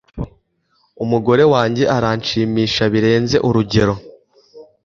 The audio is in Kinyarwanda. Umugore wanjye aranshimisha birenze urugero